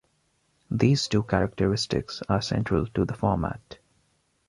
These two characteristics are central to the format.